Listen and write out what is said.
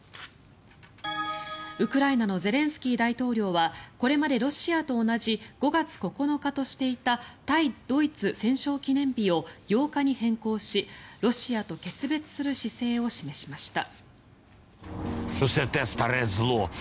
ウクライナのゼレンスキー大統領はこれまで、ロシアと同じ５月９日としていた対ドイツ戦勝記念日を８日に変更しロシアと決別する姿勢を示しました。